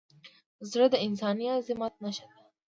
زړه د انساني عظمت نښه ده.